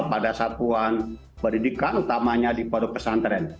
pada satuan pendidikan utamanya di pondok pesantren